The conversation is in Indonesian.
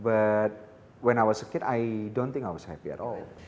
tetapi ketika saya masih anak saya tidak berpikir bahagia sama sekali